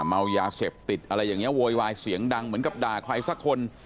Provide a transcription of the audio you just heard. เมายาเสพติดอะไรอย่างนี้โวยวายเสียงดังเหมือนกับด่าใครสักคน